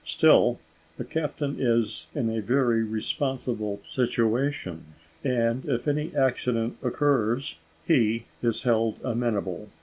Still, a captain is in a very responsible situation, and if any accident occurs he is held amenable.